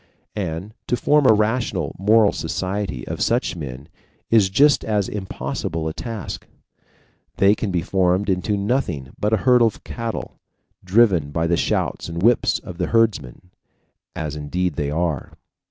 And to form a rational moral society of such men is just as impossible a task. They can be formed into nothing but a herd of cattle, driven by the shouts and whips of the herdsmen. As indeed they are.